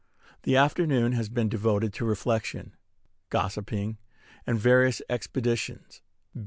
The afternoon has been devoted to reflection, gossiping, and various expeditions.